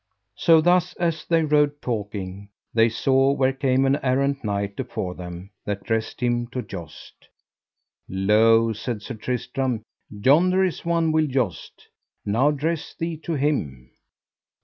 So thus as they rode talking they saw where came an errant knight afore them, that dressed him to joust. Lo, said Sir Tristram, yonder is one will joust; now dress thee to him.